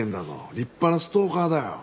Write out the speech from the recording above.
立派なストーカーだよ。